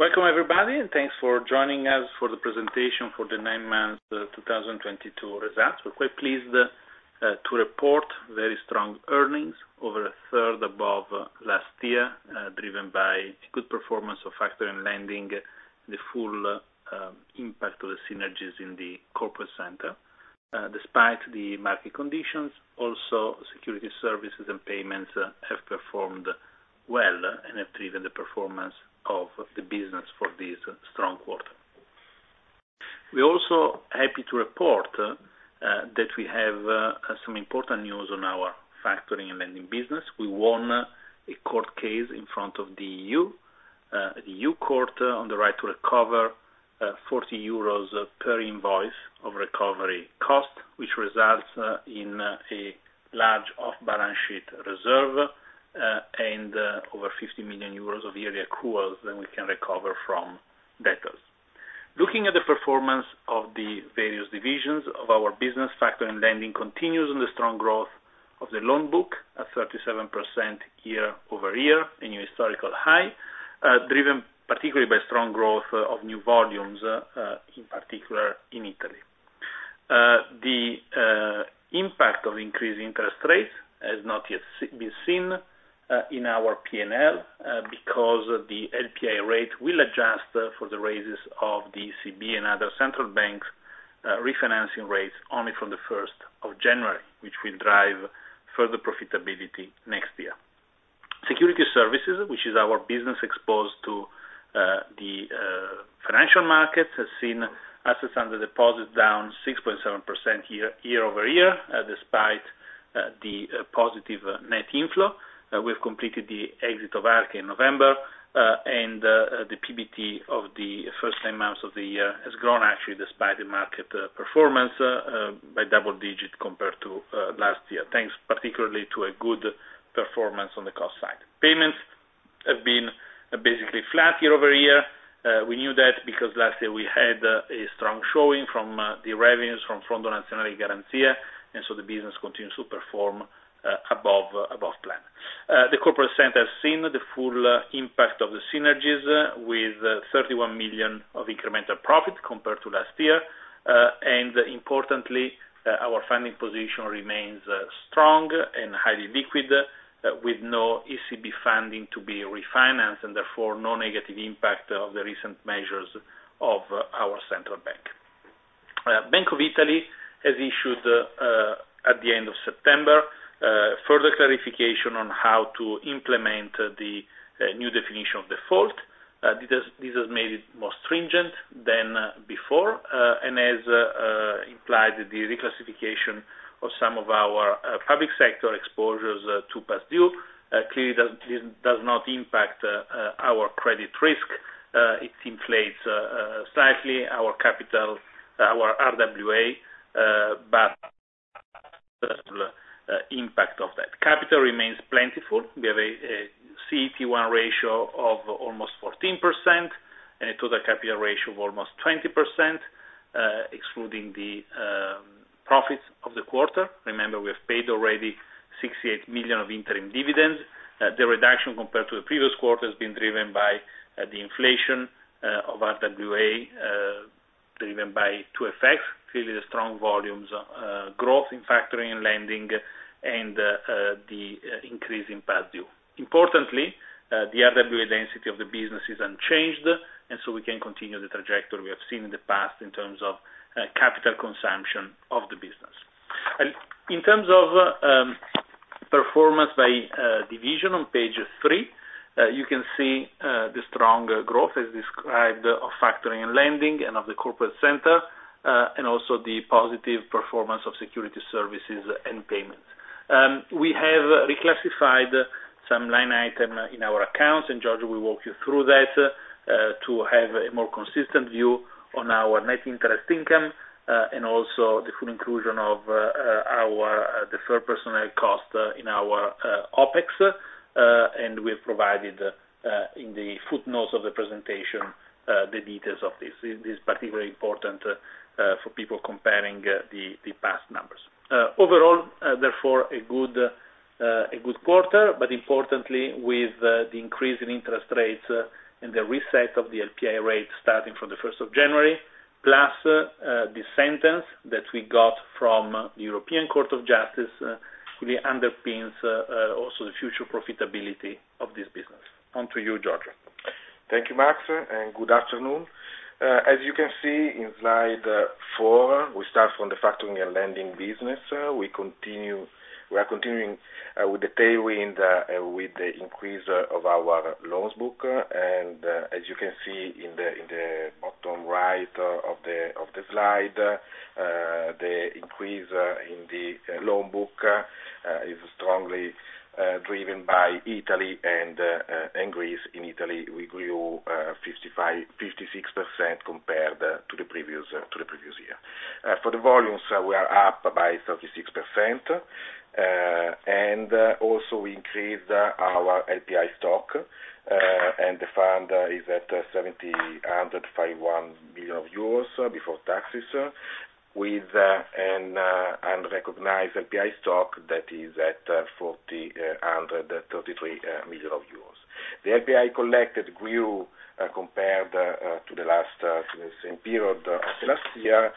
Welcome everybody, and thanks for joining us for the presentation for the nine months 2022 results. We're quite pleased to report very strong earnings over a third above last year, driven by good performance of factoring and lending, the full impact of the synergies in the corporate center. Despite the market conditions, also securities services and payments have performed well and have driven the performance of the business for this strong quarter. We're also happy to report that we have some important news on our factoring and lending business. We won a court case in front of the EU Court on the right to recover 40 euros per invoice of recovery cost, which results in a large off-balance sheet reserve and over 50 million euros of LPI accruals that we can recover from debtors. Looking at the performance of the various divisions of our business, factoring and lending continues in the strong growth of the loan book at 37% year-over-year, a new historical high, driven particularly by strong growth of new volumes, in particular in Italy. The impact of increased interest rates has not yet been seen in our P&L because the LPI rate will adjust for the rise of the ECB and other central banks refinancing rates only from the first of January, which will drive further profitability next year. Securities Services, which is our business exposed to the financial markets, has seen assets under deposit down 6.7% year-over-year, despite the positive net inflow. We've completed the exit of Arca in November, and the PBT of the first nine months of the year has grown actually despite the market performance by double digit compared to last year, thanks particularly to a good performance on the cost side. Payments have been basically flat year-over-year. We knew that because last year we had a strong showing from the revenues from Fondo Nazionale di Garanzia, and so the business continues to perform above plan. The corporate center has seen the full impact of the synergies with 31 million of incremental profit compared to last year. Importantly, our funding position remains strong and highly liquid, with no ECB funding to be refinanced, and therefore, no negative impact of the recent measures of our central bank. Bank of Italy has issued, at the end of September, further clarification on how to implement the new definition of default. This has made it more stringent than before and has implied the reclassification of some of our public sector exposures to past due. Clearly, this does not impact our credit risk. It inflates slightly our capital, our RWA, but impact of that. Capital remains plentiful. We have a CET1 ratio of almost 14% and a total capital ratio of almost 20%, excluding the profits of the quarter. Remember, we have paid already 68 million of interim dividends. The reduction compared to the previous quarter has been driven by the inflation of RWA, driven by two effects, clearly the strong volumes growth in factoring and lending and the increase in past due. Importantly, the RWA density of the business is unchanged, and so we can continue the trajectory we have seen in the past in terms of capital consumption of the business. In terms of performance by division on page three, you can see the strong growth as described of factoring and lending and of the corporate center, and also the positive performance of security services and payments. We have reclassified some line item in our accounts, and Giorgio will walk you through that, to have a more consistent view on our net interest income, and also the full inclusion of our deferred personnel cost in our OpEx. We've provided in the footnotes of the presentation the details of this. This is particularly important for people comparing the past numbers. Overall, therefore, a good quarter, but importantly with the increase in interest rates and the reset of the LPI rate starting from the first of January, plus the sentence that we got from the European Court of Justice really underpins also the future profitability of this business. On to you, Giorgio. Thank you, Max, and good afternoon. As you can see in slide four, we start from the factoring and lending business. We are continuing with the tailwind with the increase of our loan book. As you can see in the bottom right of the slide, the increase in the loan book is strongly driven by Italy and Greece. In Italy, we grew 56% compared to the previous year. For the volumes, we are up by 36%, and also increased our LPI stock, and the fund is at 1,751 million euros before taxes, with an unrecognized LPI stock that is at 4,033 million euros. The LPI collected grew compared to the same period of last year.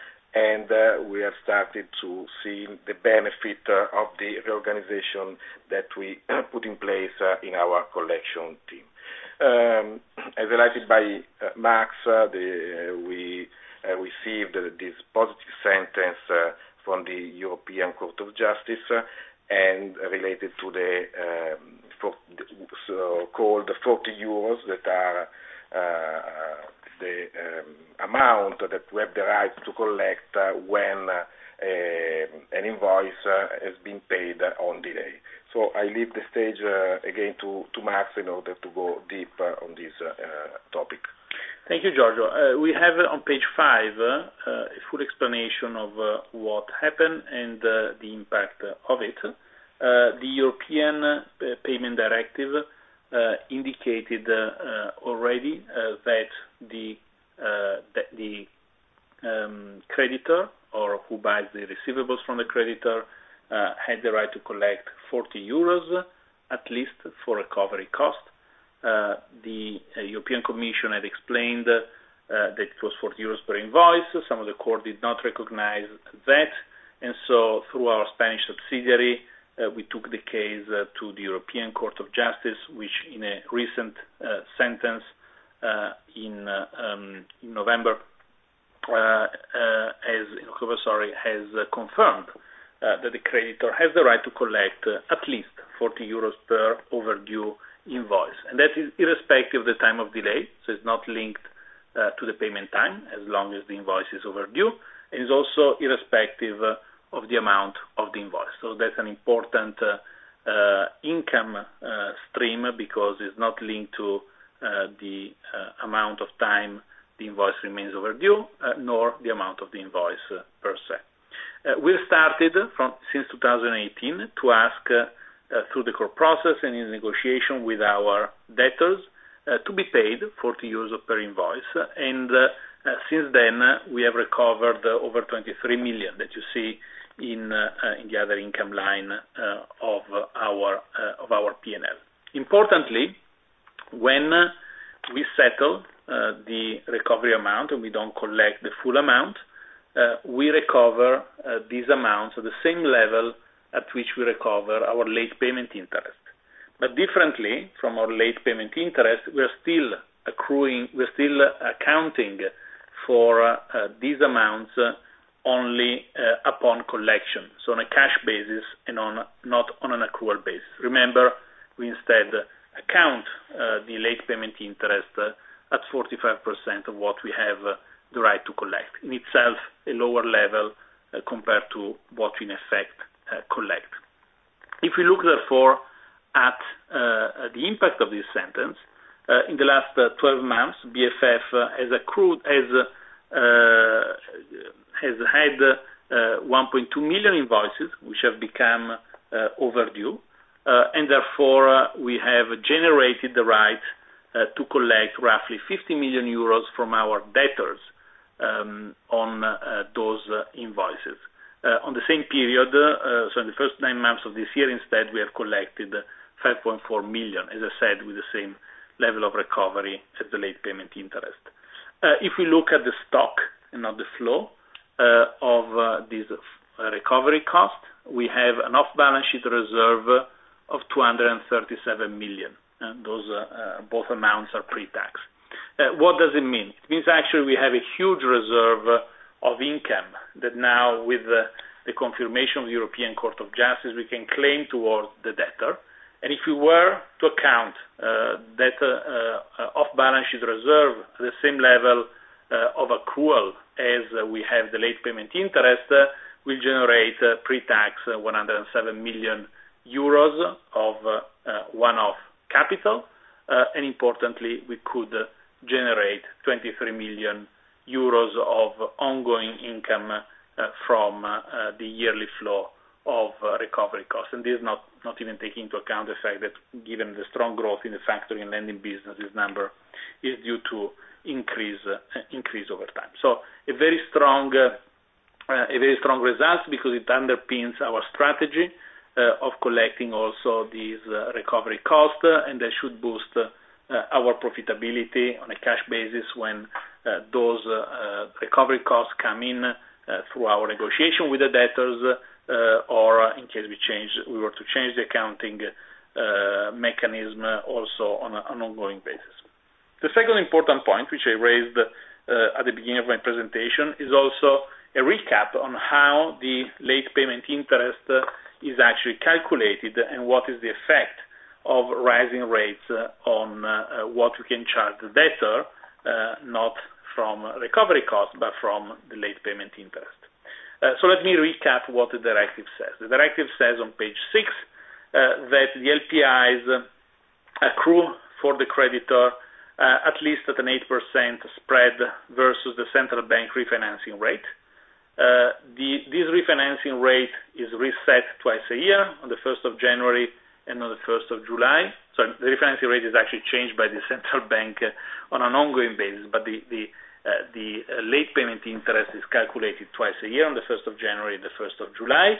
We have started to see the benefit of the reorganization that we put in place in our collection team. As related by Max, we received this positive sentence from the European Court of Justice and related to the so called 40 euros that are the amount that we have the right to collect when an invoice has been paid late. I leave the stage again to Max in order to go deeper on this topic. Thank you, Giorgio. We have on page five a full explanation of what happened and the impact of it. The European Late Payment Directive indicated already that the creditor or who buys the receivables from the creditor had the right to collect 40 euros at least for recovery cost. The European Commission had explained that it was 40 euros per invoice. Some courts did not recognize that. Through our Spanish subsidiary, we took the case to the European Court of Justice, which in a recent sentence in October, sorry, has confirmed that the creditor has the right to collect at least 40 euros per overdue invoice. That is irrespective of the time of delay, so it's not linked to the payment time as long as the invoice is overdue, and it's also irrespective of the amount of the invoice. That's an important income stream, because it's not linked to the amount of time the invoice remains overdue, nor the amount of the invoice per se. We started from since 2018 to ask through the court process and in negotiation with our debtors to be paid 40 euros per invoice. Since then, we have recovered over 23 million that you see in the other income line of our P&L. Importantly, when we settle the recovery amount and we don't collect the full amount, we recover these amounts at the same level at which we recover our late payment interest. Differently from our late payment interest, we're still accounting for these amounts only upon collection, so on a cash basis and not on an accrual basis. Remember, we instead account the late payment interest at 45% of what we have the right to collect, in itself, a lower level compared to what we in effect collect. If we look therefore at the impact of this directive in the last 12 months, BFF has had 1.2 million invoices which have become overdue and therefore we have generated the right to collect roughly 50 million euros from our debtors on those invoices. In the same period in the first nine months of this year instead, we have collected 5.4 million, as I said, with the same level of recovery as the late payment interest. If we look at the stock and not the flow of these recovery costs, we have an off-balance sheet reserve of 237 million, and both amounts are pre-tax. What does it mean? It means actually we have a huge reserve of income that now with the confirmation of the European Court of Justice, we can claim towards the debtor. If we were to account that off-balance sheet reserve at the same level of accrual as we have the late payment interest, we generate pre-tax 107 million euros of one-off capital. Importantly, we could generate 23 million euros of ongoing income from the yearly flow of recovery costs. This is not even taking into account the fact that given the strong growth in the factoring and lending business, this number is due to increase over time. A very strong result because it underpins our strategy of collecting also these recovery costs, and that should boost our profitability on a cash basis when those recovery costs come in through our negotiation with the debtors or in case we were to change the accounting mechanism also on an ongoing basis. The second important point, which I raised at the beginning of my presentation, is also a recap on how the late payment interest is actually calculated and what is the effect of rising rates on what we can charge the debtor, not from recovery costs, but from the late payment interest. Let me recap what the directive says. The directive says on page six that the LPIs accrue for the creditor at least at an 8% spread versus the central bank refinancing rate. This refinancing rate is reset twice a year on the first of January and on the first of July. The refinancing rate is actually changed by the central bank on an ongoing basis, but the late payment interest is calculated twice a year on the first of January and the 1st of July.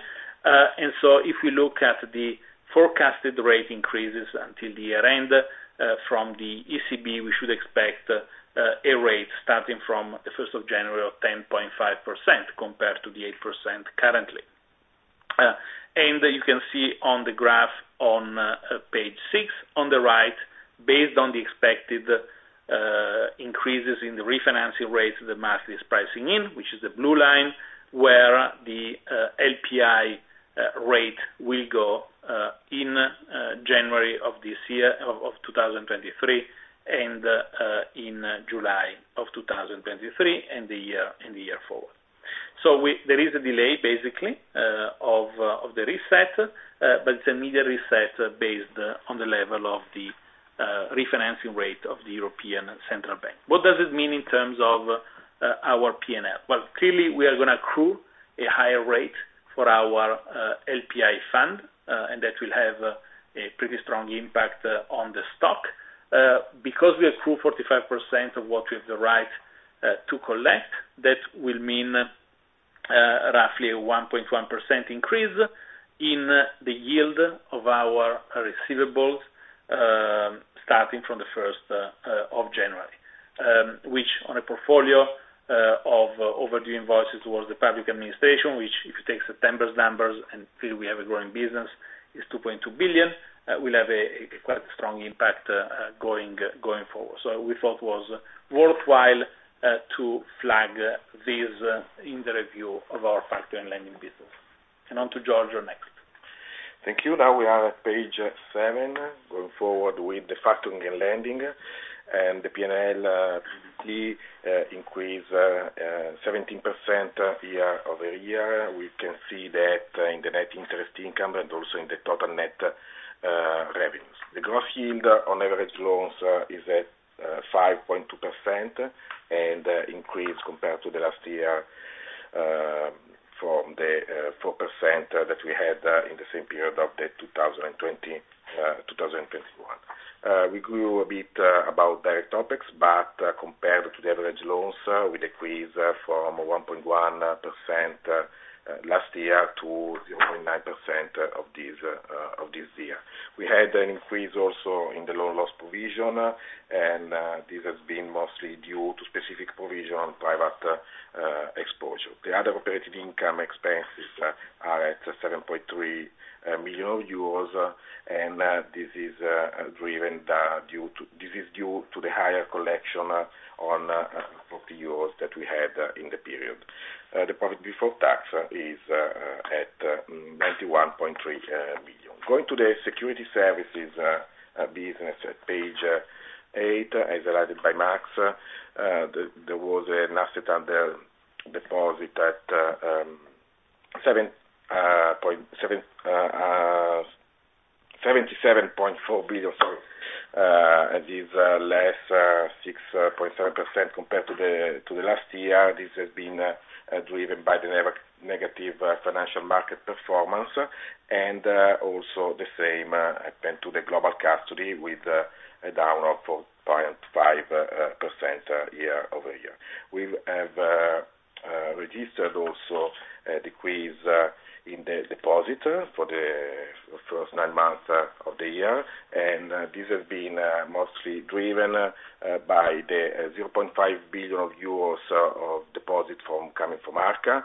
If we look at the forecasted rate increases until the year end from the ECB, we should expect a rate starting from the first of January of 10.5% compared to the 8% currently. You can see on the graph on page six on the right, based on the expected increases in the refinancing rates, the market is pricing in, which is the blue line, where the LPI rate will go in January of this year of 2023 and in July of 2023 and the year forward. There is a delay basically of the reset, but it's immediate reset based on the level of the refinancing rate of the European Central Bank. What does it mean in terms of our P&L? Well, clearly, we are gonna accrue a higher rate for our LPI fund, and that will have a pretty strong impact on the stock. Because we accrue 45% of what we have the right to collect, that will mean roughly a 1.1% increase in the yield of our receivables starting from the 1st of January. Which on a portfolio of overdue invoices towards the public administration, which if you take September's numbers, and clearly we have a growing business, is 2.2 billion, will have a quite strong impact going forward. We thought was worthwhile to flag this in the review of our Factoring & Lending business. On to Giorgio next. Thank you. Now we are at page seven, going forward with the factoring and lending. The P&L clearly increased 17% year-over-year. We can see that in the net interest income and also in the total net revenues. The gross yield on average loans is at 5.2% and increased compared to the last year, from the 4% that we had in the same period of the 2021. We grew a bit about direct costs, but compared to the average loans, we decreased from 1.1% last year to 0.9% of this year. We had an increase also in the loan loss provision, and this has been mostly due to specific provision on private exposure. The other operating income expenses are at 7.3 million euros, and this is due to the higher collection on LPI euros that we had in the period. The profit before tax is at 91.3 million. Going to the Securities Services business at page eight, as highlighted by Max, there was assets under deposit at EUR 77.4 billion, sorry. This is less 6.7% compared to the last year. This has been driven by the negative financial market performance, and also the same happened to the Global Custody with a downfall of 4.5% year-over-year. We have registered also a decrease in the deposit for the first nine months of the year. This has been mostly driven by the 0.5 billion euros of deposit coming from Arca.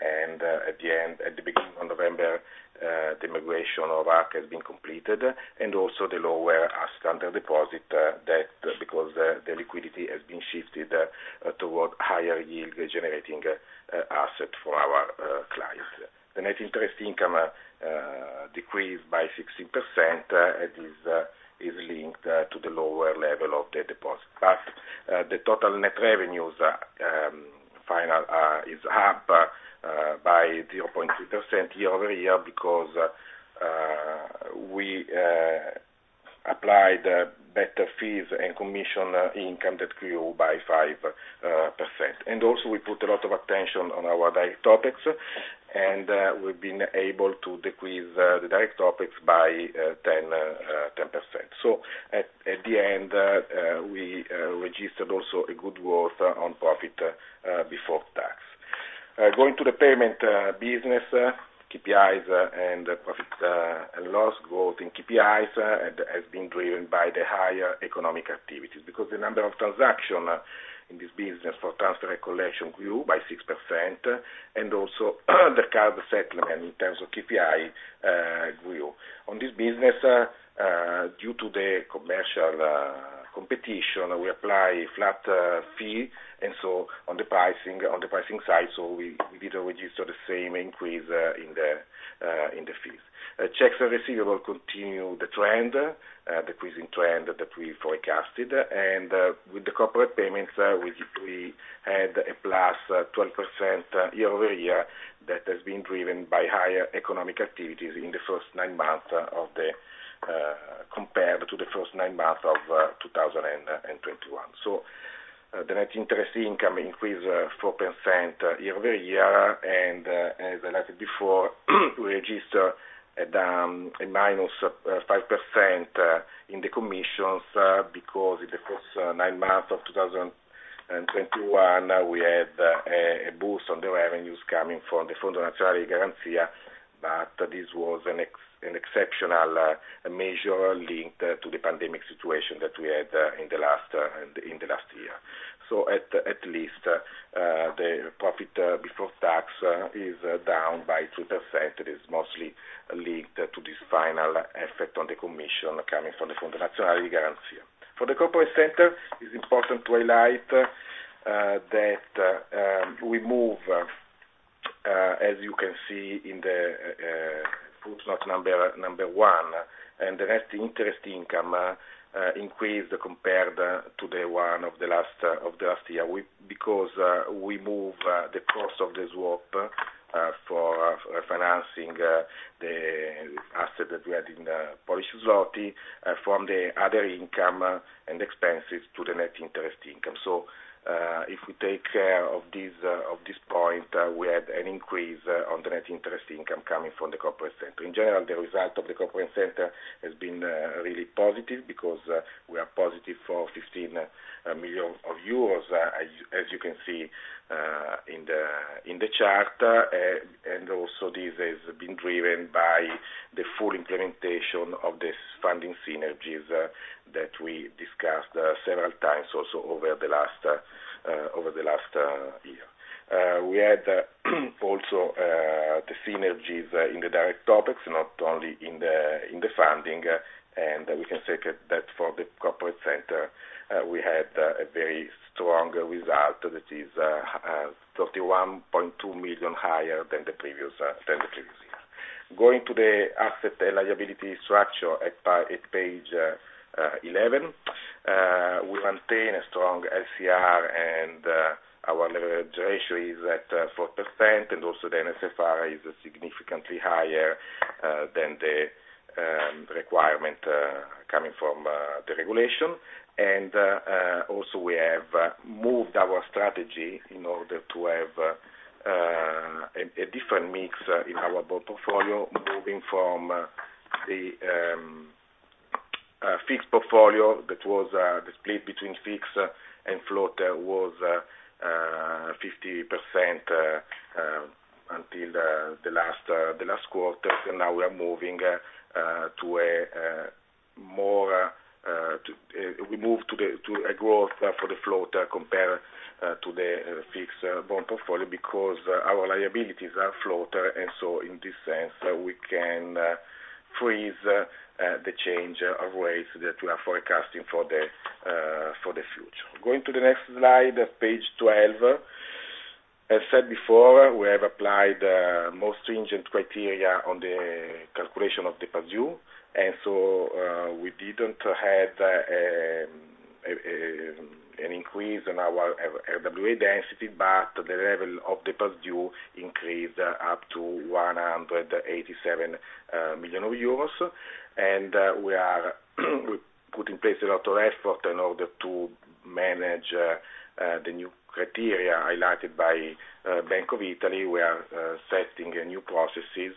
At the beginning of November, the migration of Arca has been completed. Also the lower assets under deposit, that's because the liquidity has been shifted toward higher yield generating assets for our clients. The net interest income decreased by 16%. It is linked to the lower level of the deposit. The total net revenues finally is up by 0.3% year-over-year because we applied better fees and commission income that grew by 5%. Also we put a lot of attention on our direct costs, and we've been able to decrease the direct costs by 10%. At the end we registered also a good growth in profit before tax. Going to the Payments business, KPIs and profit and loss growth in KPIs has been driven by the higher economic activities. The number of transactions in this business for transfer and collection grew by 6%, and also the card settlement in terms of KPI grew. On this business, due to the commercial competition, we apply flat fee, and so on the pricing, on the pricing side, so we did reduce the same increase in the fees. Checks and receivables continue the trend, decreasing trend that we forecasted. With the corporate payments, we had a +12% year-over-year that has been driven by higher economic activities in the first nine months of the compared to the first nine months of 2021. The net interest income increased 4% year-over-year. As I noted before, we register a -5% in the commissions because in the first nine months of 2021, we had a boost on the revenues coming from the Fondo Nazionale di Garanzia. This was an exceptional measure linked to the pandemic situation that we had in the last year. At least the profit before tax is down by 2%. It is mostly linked to this final effect on the commission coming from the Fondo Nazionale di Garanzia. For the corporate center, it's important to highlight that we move, as you can see in the footnote number one, and the net interest income increased compared to the one of the last year. Because we move the cost of the swap for refinancing the asset that we had in the Polish zloty from the other income and expenses to the net interest income. If we take this point, we had an increase on the net interest income coming from the corporate center. In general, the result of the corporate center has been really positive because we are positive for 15 million euros, as you can see in the chart. Also this has been driven by the full implementation of this funding synergies that we discussed several times also over the last year. We had also the synergies in the direct costs, not only in the funding. We can say that that's for the corporate center, we had a very strong result. That is 31.2 million higher than the previous year. Going to the asset and liability structure at page 11, we maintain a strong LCR and our leverage ratio is at 4%. Also the NSFR is significantly higher than the requirement coming from the regulation. Also we have moved our strategy in order to have a different mix in our bond portfolio, moving from the fixed portfolio that was the split between fixed and floater was 50% until the last quarter. Now we moved to a growth for the floater compared to the fixed bond portfolio because our liabilities are floater. In this sense, we can freeze the change of rates that we are forecasting for the future. Going to the next slide, page 12. As said before, we have applied more stringent criteria on the calculation of the past due. We didn't have an increase in our RWA density, but the level of the past due increased up to 187 million euros. We are putting in place a lot of effort in order to manage the new criteria highlighted by Bank of Italy. We are setting new processes.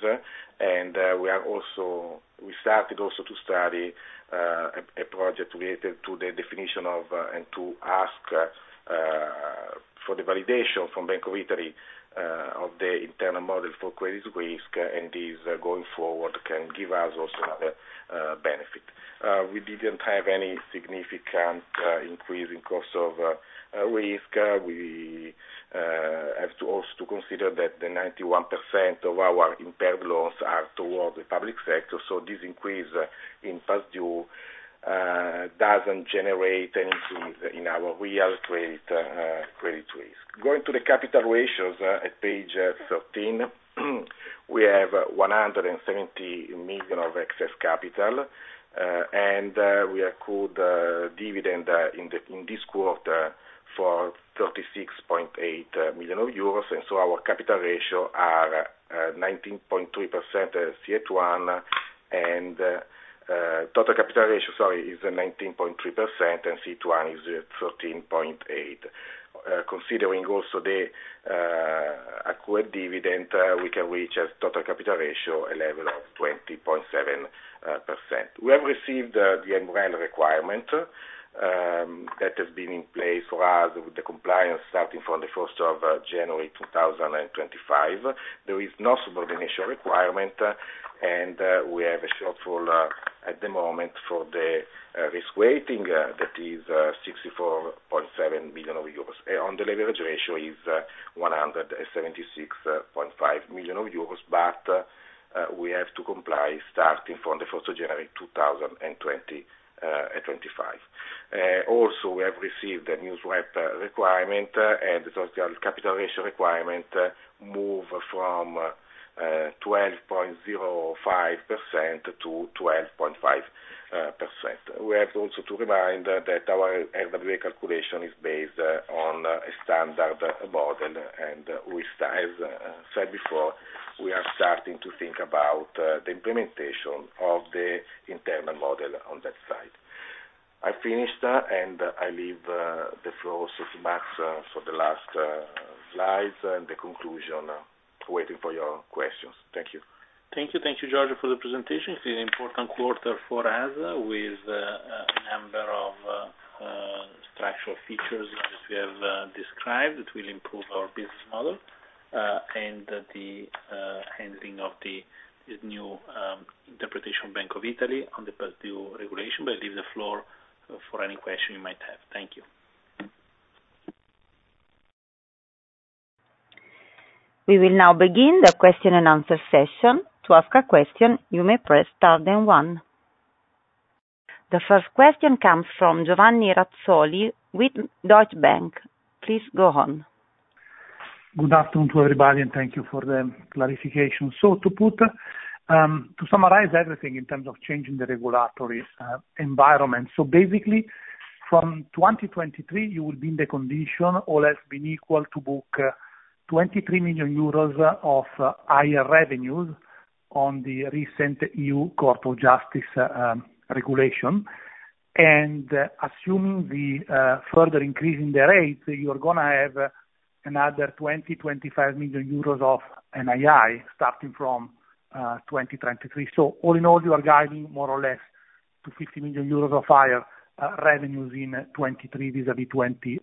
We started also to study a project related to the definition of and to ask for the validation from Bank of Italy of the internal model for credit risk. This going forward can give us also another benefit. We didn't have any significant increase in cost of risk. We have to also consider that 91% of our impaired loans are towards the public sector. This increase in past-due doesn't generate anything in our real credit risk. Going to the capital ratios at page 13. We have 170 million of excess capital, and we accrued dividend in this quarter for 36.8 million euros. Our capital ratios are 19.3% CET1. Total capital ratio, sorry, is 19.3%, and CET1 is 13.8%. Considering also the accrued dividend, we can reach a total capital ratio, a level of 20.7%. We have received the MREL requirement that has been in place for us with the compliance starting from the 1st of January 2025. There is no subordination requirement, and we have a shortfall at the moment for the risk weighting that is 64.7 billion euros. On the leverage ratio is 176.5 million euros, but we have to comply starting from the 1st of January 2025. Also, we have received the new SREP requirement, and the total capital ratio requirement moved from 12.05% to 12.5%. We have to also to remind that our RWA calculation is based on a standard model, and as said before, we are starting to think about the implementation of the internal model on that side. I finished, and I leave the floor to Max for the last slides and the conclusion. Waiting for your questions. Thank you. Thank you. Thank you, Giorgio, for the presentation. It's an important quarter for us with a number of structural features, as we have described that will improve our business model, and the handling of the new interpretation Bank of Italy on the past-due regulation. I leave the floor for any question you might have. Thank you. We will now begin the question and answer session. To ask a question, you may press star then one. The first question comes from Giovanni Razzoli with Deutsche Bank. Please go on. Good afternoon to everybody, and thank you for the clarification. To summarize everything in terms of changing the regulatory environment. Basically, from 2023, you will be able to book 23 million euros of higher revenues on the recent European Court of Justice regulation. Assuming the further increase in the rates, you are gonna have another 25 million euros of NII starting from 2023. All in all, you are guiding more or less to 50 million euros of higher revenues in 2023 vis-à-vis 2022.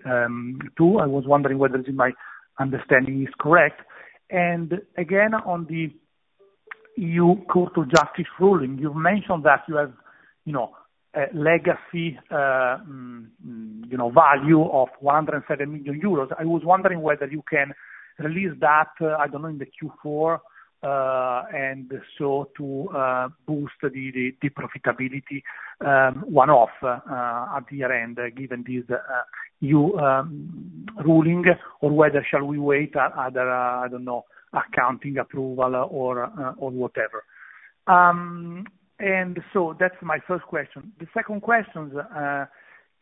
I was wondering whether my understanding is correct. Again, on the European Court of Justice ruling, you've mentioned that you have, you know, a legacy, you know, value of 107 million euros. I was wondering whether you can release that, I don't know, in the Q4, and so to boost the profitability, one off, at the year-end, given this EU ruling, or whether shall we wait other, I don't know, accounting approval or whatever. That's my first question. The second question is,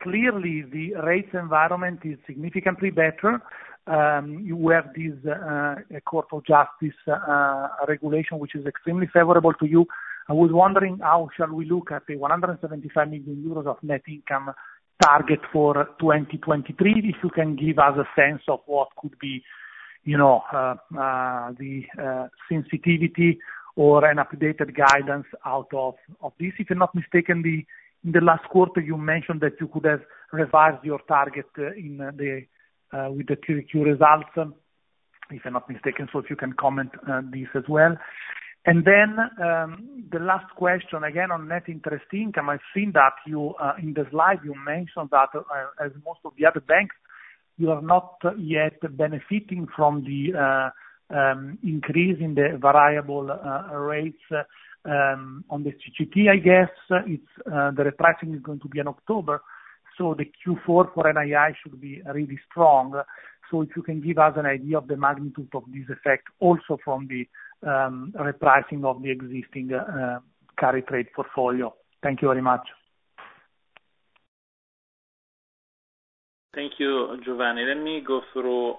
clearly the rates environment is significantly better. You have this Court of Justice regulation, which is extremely favorable to you. I was wondering how shall we look at the 175 million euros of net income target for 2023. If you can give us a sense of what could be, you know, the sensitivity or an updated guidance out of this. If I'm not mistaken, the last quarter you mentioned that you could have revised your target with the Q2 results, if I'm not mistaken. If you can comment on this as well. The last question, again, on net interest income. I've seen that you in the slide you mentioned that as most of the other banks, you are not yet benefiting from the increase in the variable rates on the CGT, I guess. It's the repricing is going to be in October, so the Q4 for NII should be really strong. If you can give us an idea of the magnitude of this effect also from the repricing of the existing carry trade portfolio. Thank you very much. Thank you, Giovanni Razzoli. Let me go through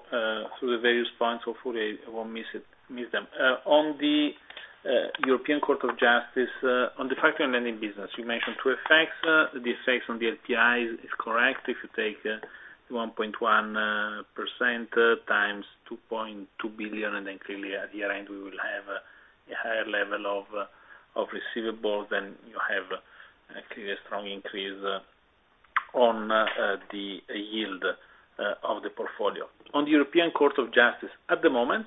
the various points hopefully I won't miss them. On the European Court of Justice, on the Factoring & Lending business, you mentioned two effects. The effect on the NII is correct. If you take 1.1% × 2.2 billion, and then clearly at the end we will have a higher level of receivables, and you have a clearly strong increase on the yield of the portfolio. On the European Court of Justice, at the moment,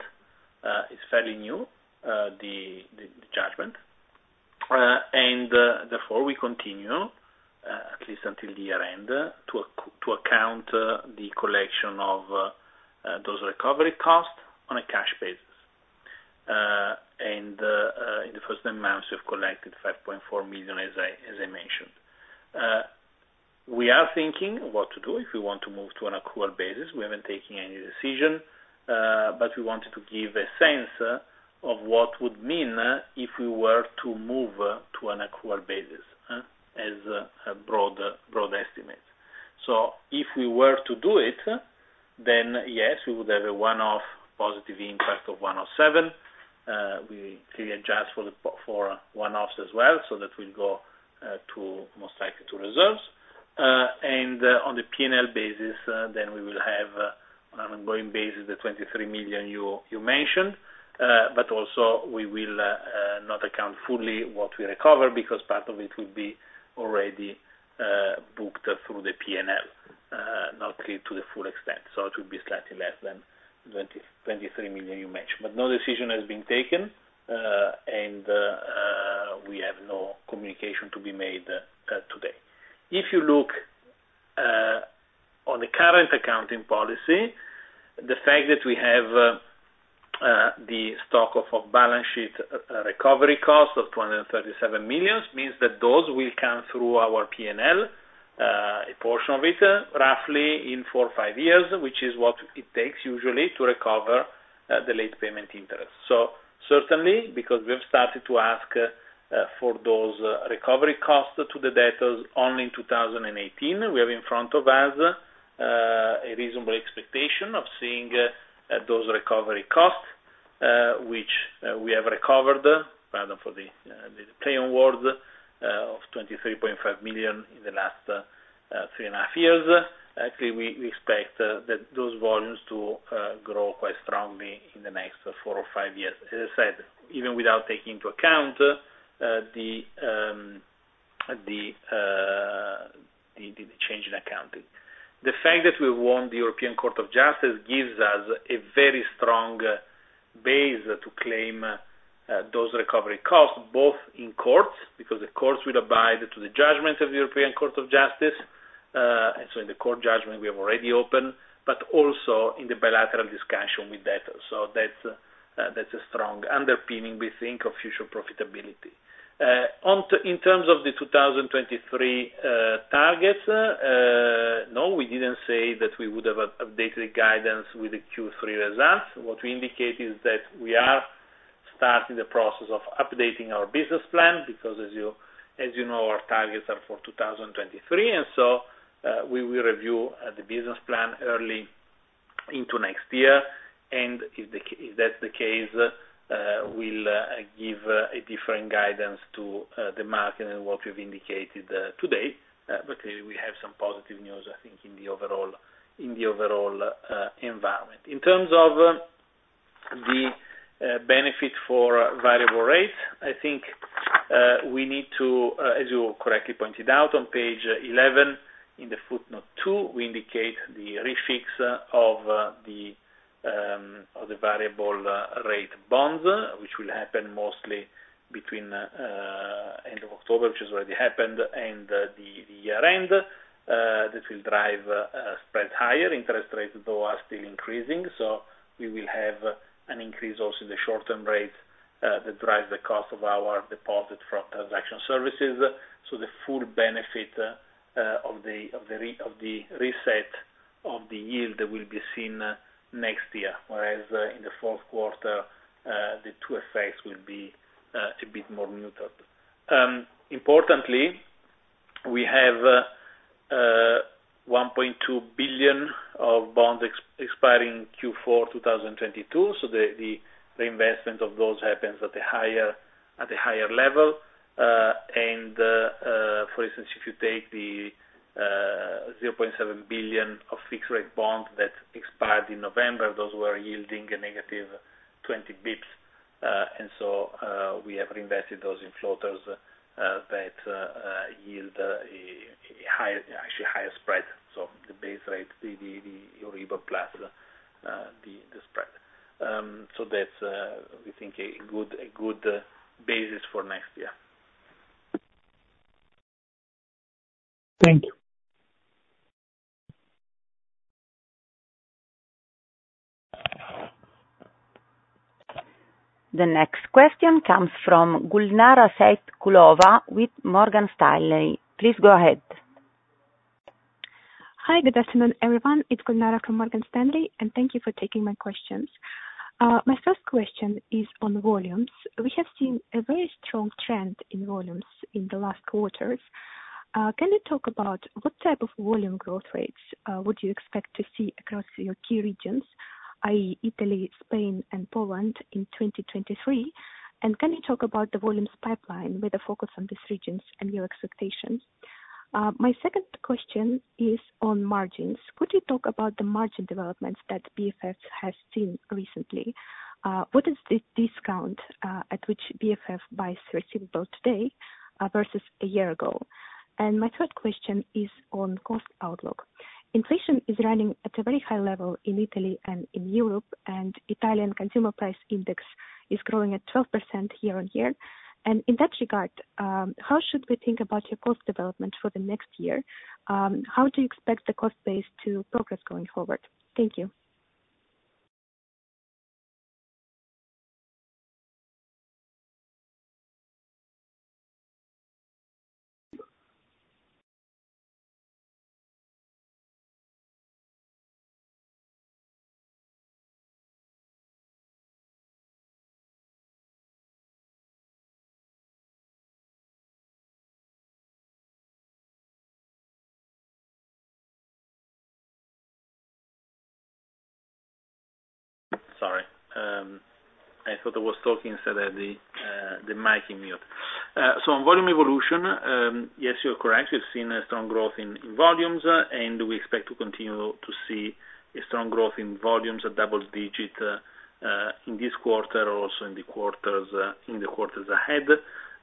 it's fairly new, the judgment, and therefore, we continue, at least until the year-end, to account the collection of those recovery costs on a cash basis. In the first nine months, we've collected 5.4 million, as I mentioned. We are thinking what to do if we want to move to an accrual basis. We haven't taken any decision, but we wanted to give a sense of what would mean if we were to move to an accrual basis, as a broad estimate. If we were to do it, then yes, we would have a one-off positive impact of 107 million. We clearly adjust for one-offs as well. That will go, most likely to reserves. On the P&L basis, then we will have, on an ongoing basis, the 23 million you mentioned. also we will not account fully what we recover because part of it will be already booked through the P&L, not clear to the full extent. It will be slightly less than 23 million you mentioned. No decision has been taken, and we have no communication to be made today. If you look on the current accounting policy, the fact that we have the stock of balance sheet recovery cost of 237 million means that those will come through our P&L, a portion of it, roughly in four or five years, which is what it takes usually to recover the late payment interest. Certainly, because we have started to ask for those recovery costs to the debtors only in 2018, we have in front of us a reasonable expectation of seeing those recovery costs, which we have recovered, rather for the recovery of 23.5 million in the last three and a half years. Actually, we expect those volumes to grow quite strongly in the next four or five years. As I said, even without taking into account the change in accounting. The fact that we won the European Court of Justice gives us a very strong base to claim those recovery costs, both in courts, because the courts will abide by the judgment of the European Court of Justice, and in the court judgment we have already opened, but also in the bilateral discussion with debtors. That's a strong underpinning, we think, of future profitability. In terms of the 2023 targets, no, we didn't say that we would have updated guidance with the Q3 results. What we indicate is that we are starting the process of updating our business plan because as you know, our targets are for 2023. We will review the business plan early into next year. If that's the case, we'll give a different guidance to the market and what we've indicated today. We have some positive news, I think, in the overall environment. In terms of the benefit for variable rate, I think, we need to, as you correctly pointed out on page 11 in the footnote two, we indicate the refix of the variable rate bonds, which will happen mostly between end of October, which has already happened, and the year-end, that will drive spread higher. Interest rates though are still increasing, so we will have an increase also in the short term rates that drive the cost of our deposit from transaction services. The full benefit of the reset of the yield will be seen next year, whereas in the fourth quarter, the two effects will be a bit more muted. Importantly, we have 1.2 billion of bonds expiring Q4 2022, so the investment of those happens at a higher level. For instance, if you take the 0.7 billion of fixed rate bond that expired in November, those were yielding a negative 20 basis points. We have reinvested those in floaters that yield a higher, actually higher spread. The base rate, the Euro plus the spread. That's a good basis for next year. Thank you. The next question comes from Gulnara Saitkulova with Morgan Stanley. Please go ahead. Hi, good afternoon, everyone. It's Gulnara from Morgan Stanley, and thank you for taking my questions. My first question is on volumes. We have seen a very strong trend in volumes in the last quarters. Can you talk about what type of volume growth rates would you expect to see across your key regions, i.e., Italy, Spain and Poland in 2023? And can you talk about the volumes pipeline with a focus on these regions and your expectations? My second question is on margins. Could you talk about the margin developments that BFF has seen recently? What is the discount at which BFF buys receivable today versus a year ago? And my third question is on cost outlook. Inflation is running at a very high level in Italy and in Europe, and Italian consumer price index is growing at 12% year-on-year. In that regard, how should we think about your cost development for the next year? How do you expect the cost base to progress going forward? Thank you. Sorry. I thought I was talking, so that the mic on mute. On volume evolution, yes, you're correct. We've seen a strong growth in volumes, and we expect to continue to see a strong growth in volumes at double-digit in this quarter, also in the quarters ahead.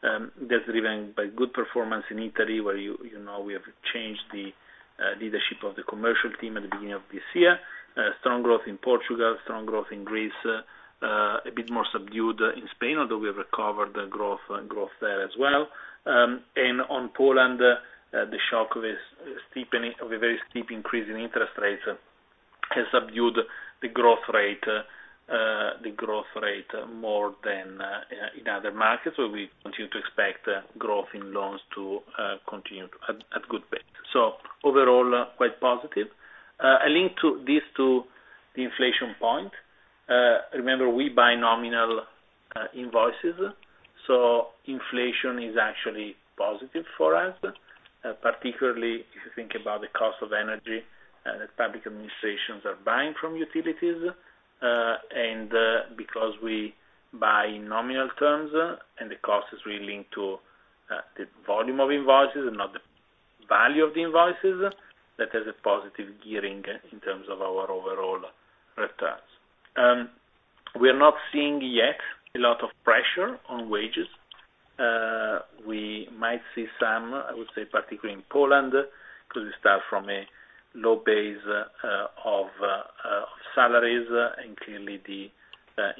That's driven by good performance in Italy, where you know we have changed the leadership of the commercial team at the beginning of this year. Strong growth in Portugal, strong growth in Greece, a bit more subdued in Spain, although we have recovered the growth there as well. On Poland, the shock, a very steep increase in interest rates has subdued the growth rate more than in other markets, where we continue to expect growth in loans to continue at good pace. Overall, quite positive. I link these to the inflation point. Remember we buy nominal invoices, so inflation is actually positive for us, particularly if you think about the cost of energy that public administrations are buying from utilities. Because we buy in nominal terms and the cost is really linked to the volume of invoices and not the value of the invoices, that has a positive gearing in terms of our overall returns. We are not seeing yet a lot of pressure on wages. We might see some, I would say particularly in Poland, because we start from a low base of salaries, and clearly the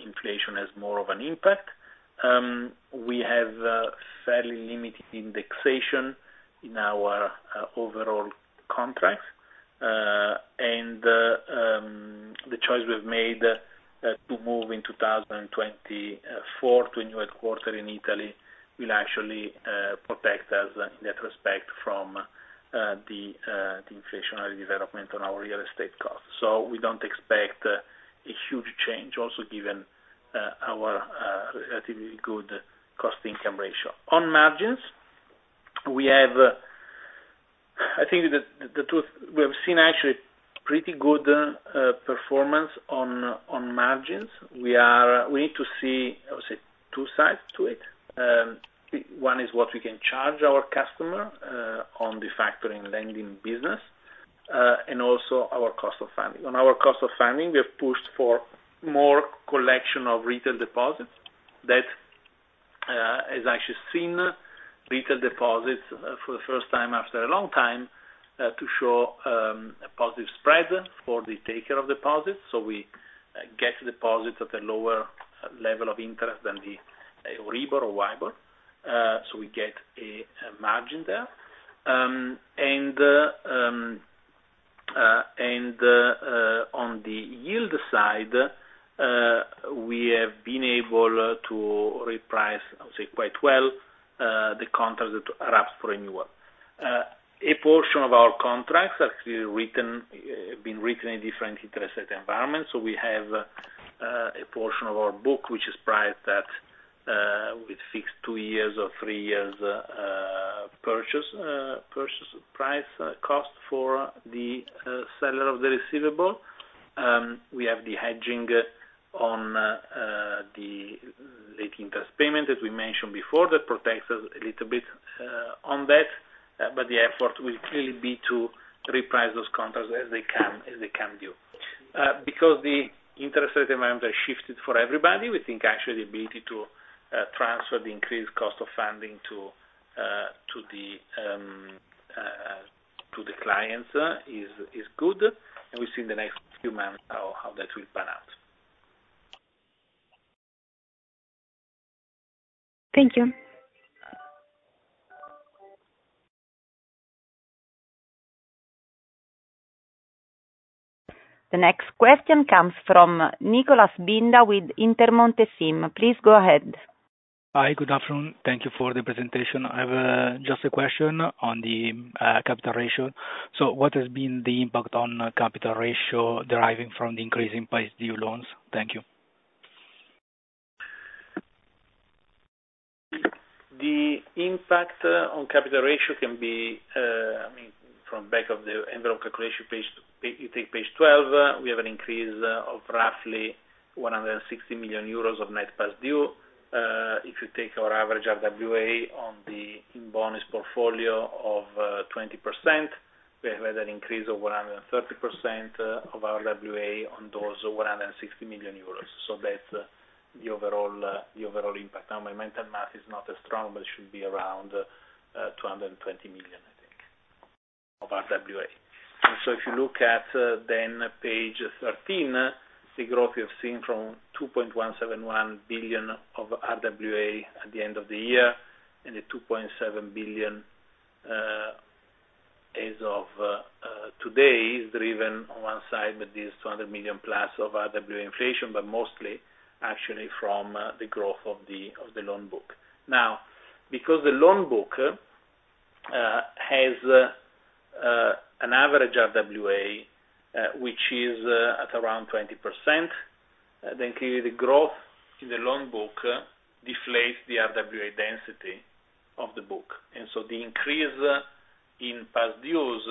inflation has more of an impact. We have fairly limited indexation in our overall contracts. The choice we have made to move in 2024 to a new headquarters in Italy will actually protect us in that respect from the inflationary development on our real estate costs. We don't expect a huge change also given our relatively good cost-income ratio. On margins, I think the truth, we have seen actually pretty good performance on margins. We need to see, I would say, two sides to it. One is what we can charge our customer on the Factoring & Lending business and also our cost of funding. On our cost of funding, we have pushed for more collection of retail deposits. That has actually seen retail deposits for the first time after a long time to show a positive spread for the taker of deposits. We get deposits at a lower level of interest than the Euribor or WIBOR, so we get a margin there. On the yield side, we have been able to reprice, I would say, quite well, the contracts that are up for renewal. A portion of our contracts have actually been written in different interest rate environments. We have a portion of our book, which is priced at with fixed two years or three years purchase price cost for the seller of the receivable. We have the hedging on the late interest payment, as we mentioned before. That protects us a little bit on that. The effort will clearly be to reprice those contracts as they come due. Because the interest rate environment has shifted for everybody, we think actually the ability to transfer the increased cost of funding to the clients is good. We'll see in the next few months how that will pan out. Thank you. The next question comes from Nicholas Binda with Intermonte SIM. Please go ahead. Hi. Good afternoon. Thank you for the presentation. I have just a question on the capital ratio. What has been the impact on capital ratio deriving from the increase in past due loans? Thank you. The impact on capital ratio can be, I mean, from back of the envelope calculation page, you take page 12, we have an increase of roughly 160 million euros of net past-due. If you take our average RWA on the Superbonus portfolio of 20%, we have had an increase of 130% of RWA on those 160 million euros. That's the overall impact. Now, my mental math is not as strong, but it should be around 220 million, I think, of RWA. If you look at then page 13, the growth you have seen from 2.171 billion of RWA at the end of the year, and the 2.7 billion as of today, is driven on one side with this 200 million+ of RWA inflation, but mostly actually from the growth of the loan book. Now, because the loan book has an average RWA which is at around 20%, then clearly the growth in the loan book deflates the RWA density of the book. The increase in past dues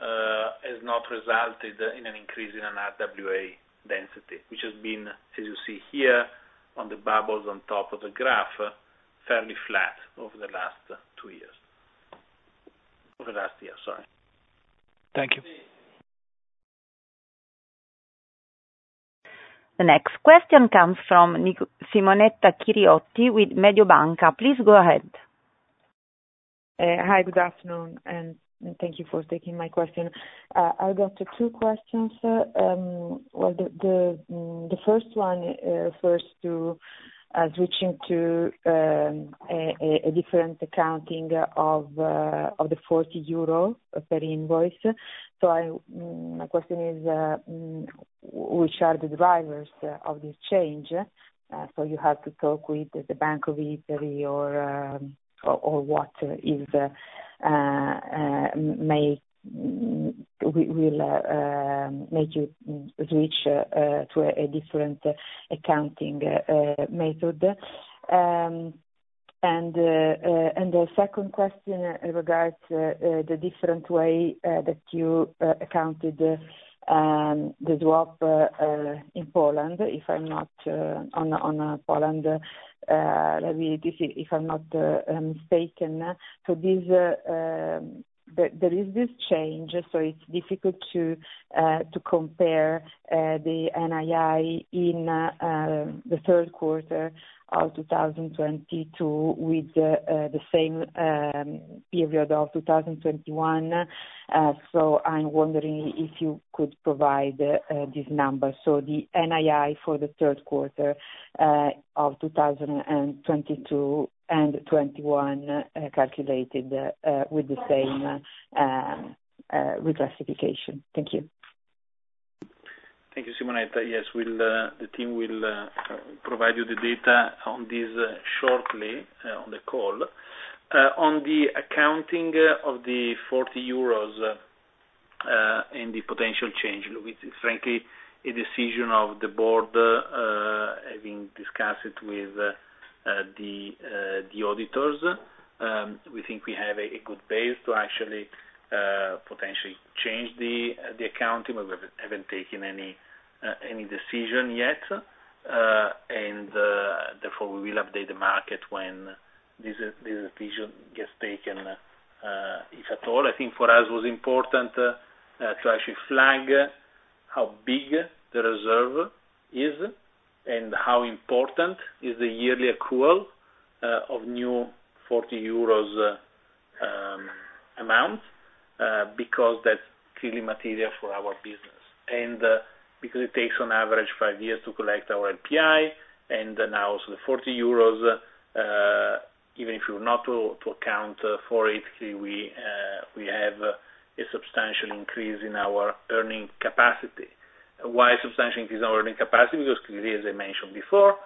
has not resulted in an increase in an RWA density, which has been, as you see here on the bubbles on top of the graph, fairly flat over the last two years. Over the last year, sorry. Thank you. The next question comes from Simonetta Chiriotti with Mediobanca. Please go ahead. Hi, good afternoon, and thank you for taking my question. I've got two questions. Well, the first one refers to switching to a different accounting of the 40 euro per invoice. My question is, which are the drivers of this change? You have to talk with the Bank of Italy or what is making you switch to a different accounting method. The second question in regards to the different way that you accounted the swap in Poland, if I'm not wrong on Poland, let me just see if I'm not mistaken. There is this change, so it's difficult to compare the NII in the third quarter of 2022 with the same period of 2021. I'm wondering if you could provide this number. The NII for the third quarter of 2022 and 2021, calculated with the same reclassification. Thank you. Thank you, Simonetta. Yes, the team will provide you the data on this shortly on the call. On the accounting of the 40 euros in the potential change, which is frankly a decision of the board, having discussed it with the auditors. We think we have a good base to actually potentially change the accounting. We haven't taken any decision yet. Therefore, we will update the market when this decision gets taken, if at all. I think for us it was important to actually flag how big the reserve is and how important is the yearly accrual of new 40 euros amount because that's clearly material for our business. Because it takes on average five years to collect our LPI. The 40 euros, even if you're not to account for it, we have a substantial increase in our earning capacity. Why substantial increase in our earning capacity? Because clearly, as I mentioned before,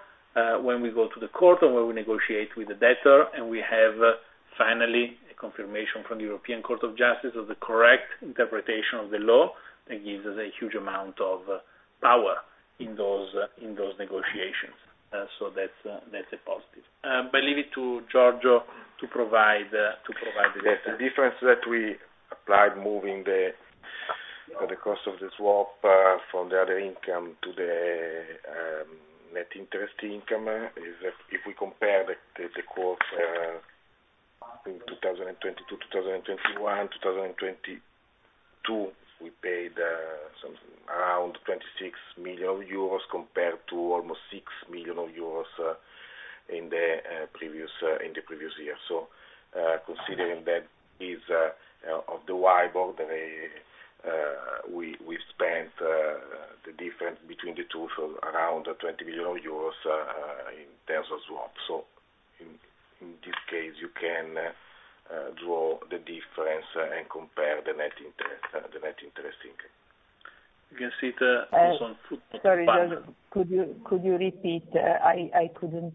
when we go to the court or when we negotiate with the debtor, and we have finally a confirmation from the European Court of Justice of the correct interpretation of the law, that gives us a huge amount of power in those negotiations. That's a positive. Leave it to Giorgio to provide the data. Yes. The difference that we applied moving the cost of the swap from the other income to the net interest income is that if we compare the quotes in 2022 and 2021, we paid around 26 million euros compared to almost 6 million euros in the previous year. Considering that is of the WIBOR, then we spent the difference between the two, so around 20 million euros in terms of swap. In this case, you can draw the difference and compare the net interest income. You can see the. Sorry, Giorgio. Could you repeat? I couldn't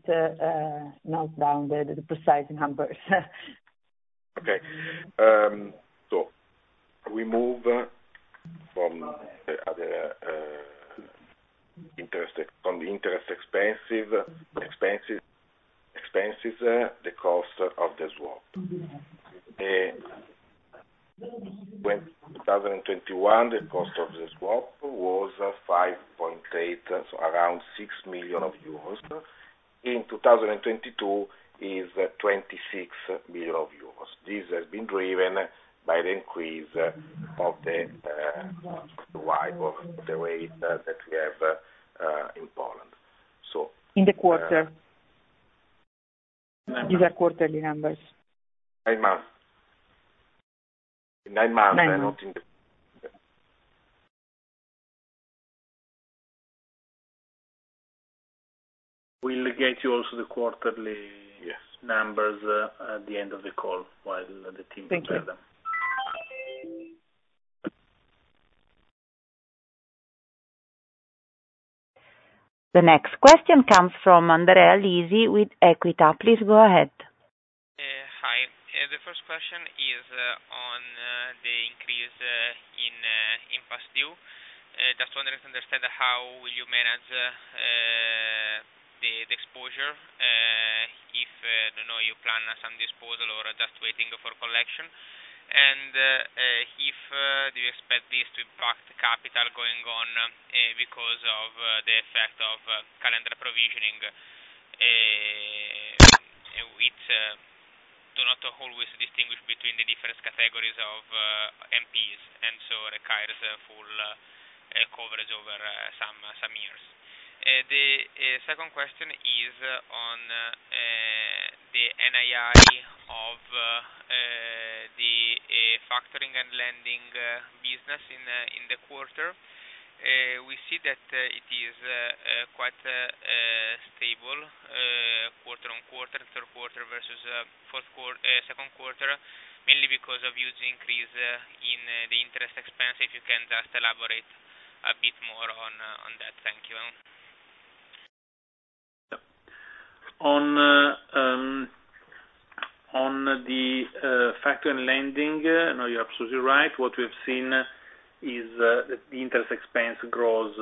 note down the precise numbers. Okay. We move from the other interest expenses, the cost of the swap. When 2021, the cost of the swap was 5.8, so around 6 million euros. In 2022, is 26 million euros. This has been driven by the increase of the WIBOR, the rate that we have in Poland. In the quarter. Nine months. These are quarterly numbers. Nine months. Nine months. We'll get you also the quarterly. Yes. -numbers at the end of the call while the team prepare them. Thank you. The next question comes from Andrea Lisi with Equita. Please go ahead. Hi. The first question is on the increase in past-due. Just wanted to understand how you manage the exposure, you know, if you plan some disposal or just waiting for collection. Do you expect this to impact the capital going on because of the effect of calendar provisioning, which do not always distinguish between the different categories of NPEs, and so requires a full coverage over some years. The second question is on the NII of the factoring and lending business in the quarter. We see that it is quite stable, quarter on quarter, third quarter versus second quarter, mainly because of huge increase in the interest expense. If you can just elaborate a bit more on that. Thank you. On the Factoring & Lending, no, you're absolutely right. What we've seen is that the interest expense grows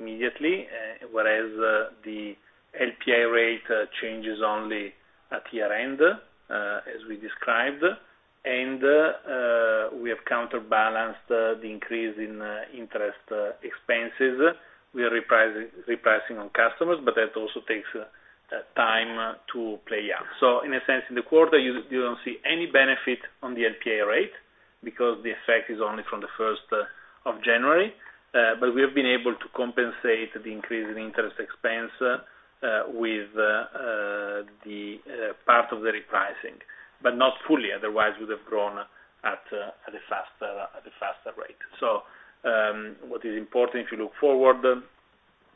immediately, whereas the NII rate changes only at year-end, as we described. We have counterbalanced the increase in interest expenses. We are repricing on customers, but that also takes time to play out. In a sense, in the quarter, you don't see any benefit on the NII rate because the effect is only from the first of January. We have been able to compensate the increase in interest expense with the part of the repricing, but not fully otherwise we'd have grown at a faster rate. What is important if you look forward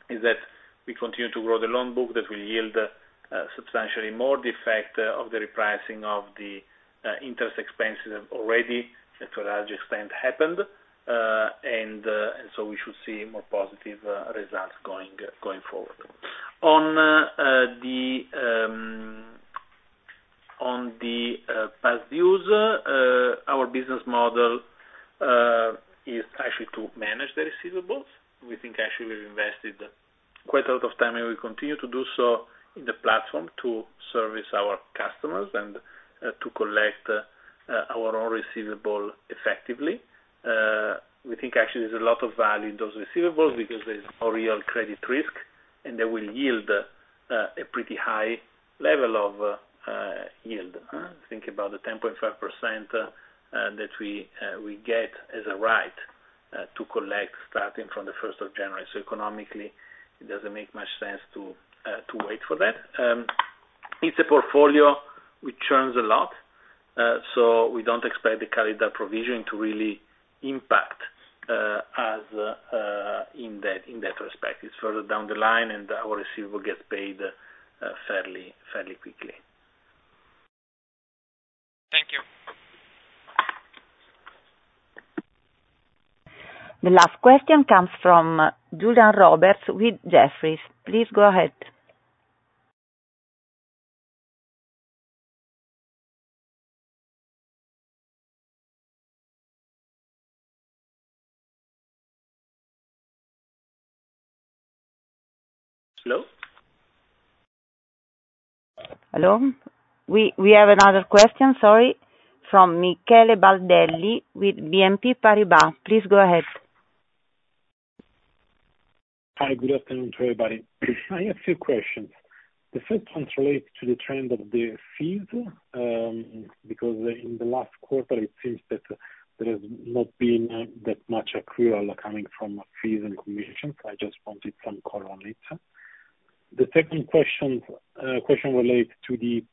is that we continue to grow the loan book that will yield substantially more. The effect of the repricing of the interest expenses have already to a large extent happened. We should see more positive results going forward. On the past dues, our business model is actually to manage the receivables. We think actually we've invested quite a lot of time, and we continue to do so in the platform to service our customers and to collect our own receivable effectively. We think actually there's a lot of value in those receivables because there's no real credit risk, and they will yield a pretty high level of yield. Think about the 10.5% that we get as a right to collect starting from the 1st of January. Economically, it doesn't make much sense to wait for that. It's a portfolio which churns a lot, so we don't expect the calendar provision to really impact in that respect. It's further down the line, and our receivable gets paid fairly quickly. Thank you. The last question comes from Julian Roberts with Jefferies. Please go ahead. Hello? Hello. We have another question, sorry, from Michele Baldelli with BNP Paribas. Please go ahead. Hi. Good afternoon to everybody. I have two questions. The first one relates to the trend of the fees, because in the last quarter it seems that there has not been that much accrual coming from fees and commissions. I just wanted some color on it. The second question relates to the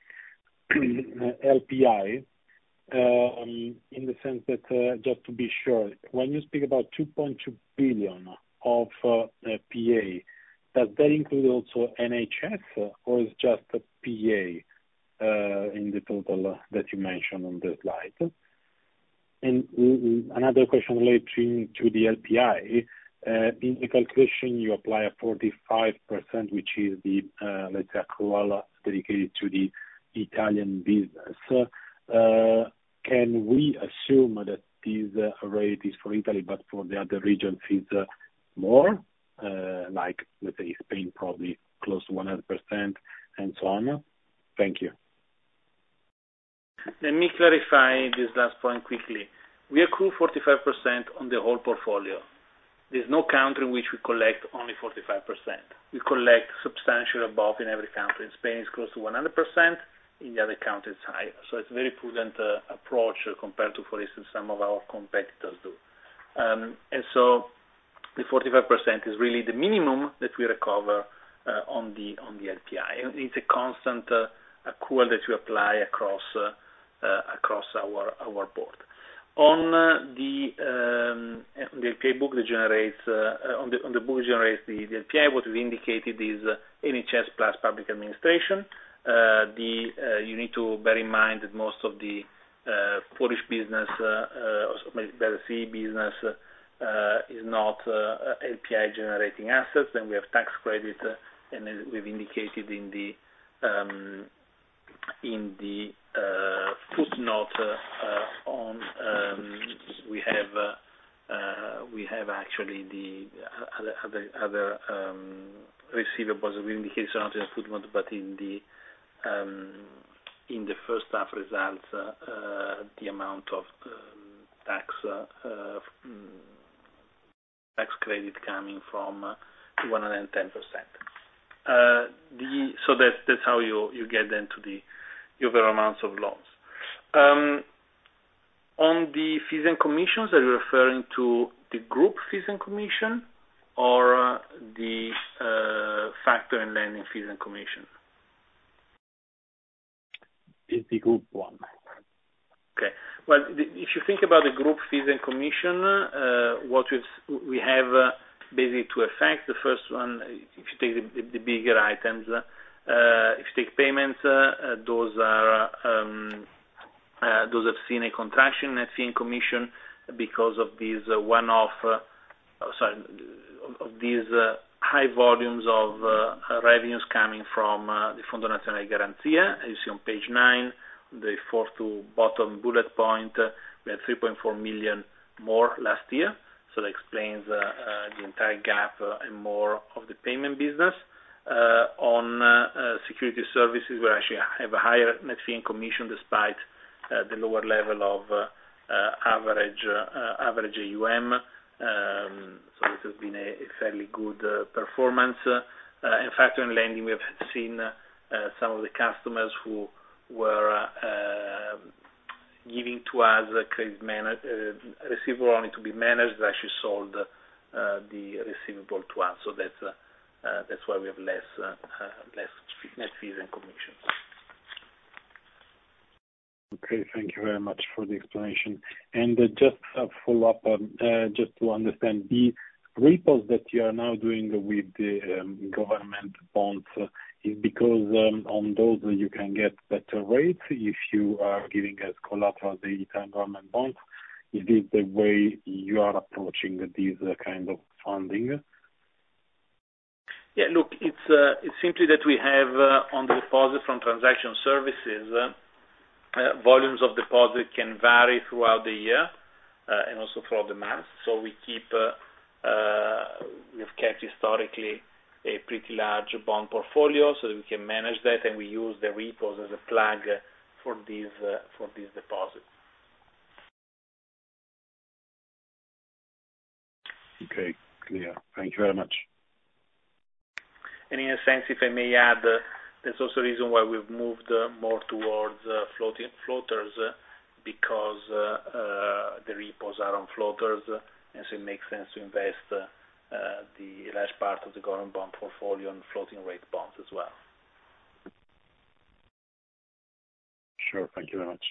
LPI, in the sense that, just to be sure, when you speak about 2.2 billion of PA, does that include also NHS or is just the PA in the total that you mentioned on the slide? Another question relating to the LPI, in the calculation you apply a 45%, which is the, let's say accrual dedicated to the Italian business. Can we assume that this rate is for Italy, but for the other regions is more, like let's say Spain, probably close to 100% and so on? Thank you. Let me clarify this last point quickly. We accrue 45% on the whole portfolio. There's no country in which we collect only 45%. We collect substantially above in every country. In Spain, it's close to 100%. In the other countries, it's higher. It's a very prudent approach compared to, for instance, some of our competitors do. The 45% is really the minimum that we recover on the LPI. It's a constant accrual that we apply across our broad. On the LPI book that generates on the book generates the LPI, what we've indicated is NHS plus public administration. You need to bear in mind that most of the Polish business, also Belgian business, is not LPI generating assets. We have tax credit, and as we've indicated in the footnote, we have actually the other receivables we indicated are not in the footnote, but in the first half results, the amount of tax credit coming from 110%. That's how you get then to the overall amounts of loans. On the fees and commissions, are you referring to the group fees and commission or the factoring and lending fees and commission? It's the group one. Well, if you think about the group fees and commissions, what we have basically two effects. The first one, if you take the bigger items, if you take Payments, those have seen a contraction in net fees and commissions because of these one-off. Sorry, of these high volumes of revenues coming from the Fondo Nazionale di Garanzia. As you see on page nine, the fourth from bottom bullet point, we had 3.4 million more last year, so that explains the entire gap and more of the Payments business. On Securities Services, we actually have a higher net fees and commissions despite the lower level of average AUM. So this has been a fairly good performance. In fact, in lending, we have seen some of the customers who were giving to us receivable only to be managed, they actually sold the receivable to us. That's why we have less net fees and commissions. Okay, thank you very much for the explanation. Just a follow-up, just to understand. The repos that you are now doing with the government bonds is because on those you can get better rates if you are giving as collateral the Italian government bonds. Is this the way you are approaching these kind of funding? Yeah. Look, it's simply that we have on the deposits from transaction services, volumes of deposits can vary throughout the year and also throughout the months. We've kept historically a pretty large bond portfolio so that we can manage that, and we use the repos as a flag for these deposits. Okay. Clear. Thank you very much. In a sense, if I may add, there's also a reason why we've moved more towards floaters, because the repos are on floaters, and so it makes sense to invest the large part of the government bond portfolio on floating rate bonds as well. Sure. Thank you very much.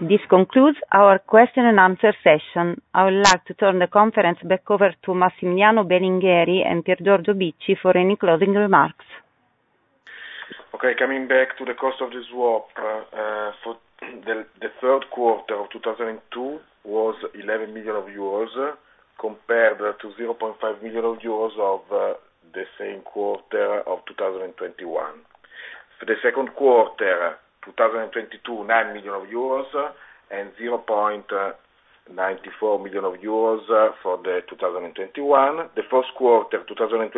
This concludes our question and answer session. I would like to turn the conference back over to Massimiliano Belingheri and Piergiorgio Bicci for any closing remarks. Okay, coming back to the cost of the swap. For the third quarter of 2022 was 11 million euros, compared to 0.5 million euros of the same quarter of 2021. For the second quarter 2022, 9 million euros and 0.94 million euros for the 2021. The first quarter 2022